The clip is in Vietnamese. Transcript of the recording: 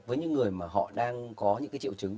với những người mà họ đang có những cái triệu chứng